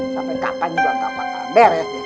sampai kapan juga gak bakal beres deh